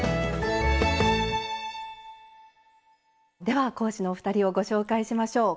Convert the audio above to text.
では講師のお二人をご紹介しましょう。